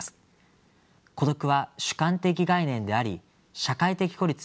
孤独は主観的概念であり社会的孤立は客観的概念です。